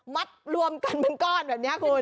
รวมกันเป็นก้อนแบบนี้คุณ